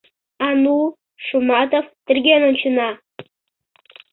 — А ну, Шуматов, терген ончена!